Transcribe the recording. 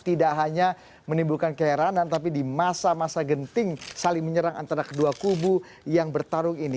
tidak hanya menimbulkan keheranan tapi di masa masa genting saling menyerang antara kedua kubu yang bertarung ini